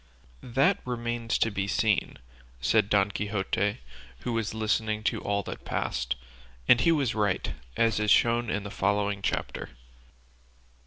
"That remains to be seen," said Don Quixote, who was listening to all that passed; and he was right, as is shown in the following chapter.